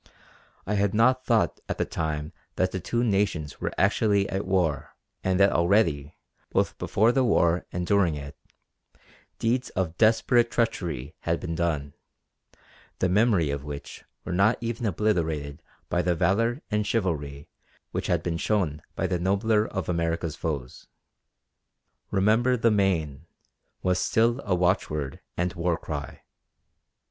I had not thought at the time that the two nations were actually at war, and that already, both before the war and during it, deeds of desperate treachery had been done, the memory of which were not even obliterated by the valour and chivalry which had been shown by the nobler of America's foes. "Remember The Maine" was still a watchword and war cry.